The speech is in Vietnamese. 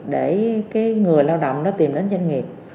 để cái người lao động nó tìm đến doanh nghiệp